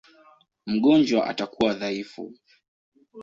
Mgonjwa atakuwa dhaifu.